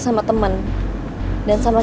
sama temen dan sama si